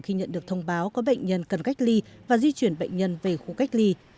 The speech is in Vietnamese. khi nhận được thông báo có bệnh nhân cần cách ly và di chuyển bệnh nhân về khu cách ly